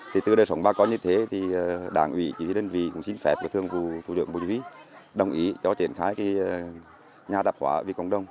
từ đời sống bà con như thế thì đảng ủy chính viên đơn vị cũng xin phép thương phụ đường bùi vĩ đồng ý cho triển khai nhà tạp hóa vì cộng đồng